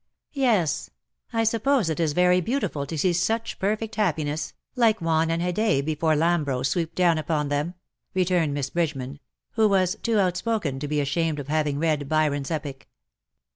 " Yes ; I suppose it is very beautiful to see such perfect happiness, like Juan and Haidee before Lambro swooped down upon them," returned Miss Bridgeman, who was too outspoken to be ashamed of having read Byron''s epic.